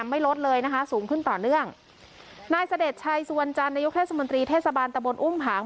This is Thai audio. ไม่ลดเลยนะคะสูงขึ้นต่อเนื่องนายเสด็จชัยสุวรรณจันทร์นายกเทศมนตรีเทศบาลตะบนอุ้มผาง